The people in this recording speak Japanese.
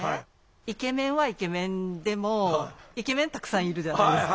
イケメンはイケメンでもイケメンたくさんいるじゃないですか。